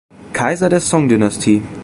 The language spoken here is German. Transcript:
Kaiser der Song-Dynastie